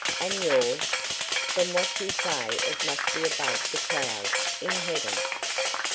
"And yours? From what you say it must be above the clouds in heaven."